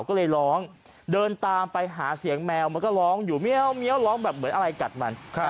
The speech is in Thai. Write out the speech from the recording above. ก็เลยร้องเดินตามไปหาเสียงแมวมันก็ร้องอยู่เมียวร้องแบบเหมือนอะไรกัดมัน